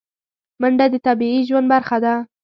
منډه د طبیعي ژوند برخه ده